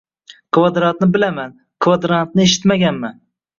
Kvadratni bilaman, kvadrantni eshitmaganman.